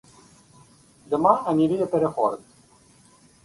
Dema aniré a Perafort